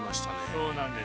そうなんです。